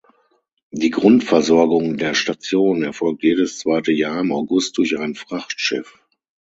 Die Grundversorgung der Station erfolgt jedes zweite Jahr im August durch ein Frachtschiff.